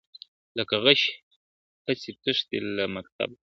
لکه غشې هسي تښتي له مکتبه ..